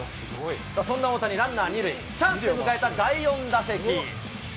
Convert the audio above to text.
そんな大谷、ランナー２塁、チャンスで迎えた第４打席。